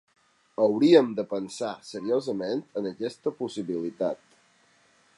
Hauríem de pensar seriosament en aquesta possibilitat.